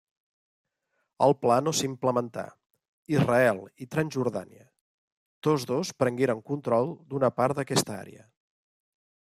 El pla no s'implementà; Israel i Transjordània, tots dos prengueren control d'una part d'aquesta àrea.